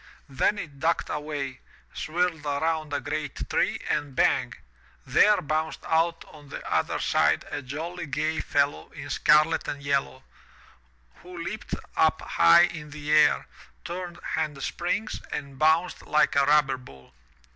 Then it ducked away, swirled around a great tree and bang! there bounced out on the other side a jolly gay fellow in scarlet and yellow, who leaped up high in the air, turned hand springs, and bounced like a rubber ball.